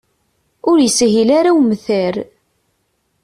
Ur yeshil ara umtar.